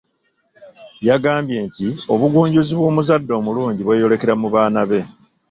Yagambye nti obugunjuzi bw’omuzadde omulungi bweyolekera mu baana be.